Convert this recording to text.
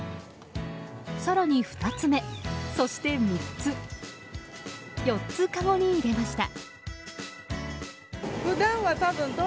更に２つ目、そして３つ、４つかごに入れました。